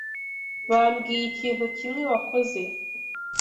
Bambwiye ikintu kimwe wakoze.